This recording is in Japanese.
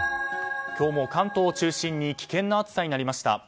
今日も関東を中心に危険な暑さになりました。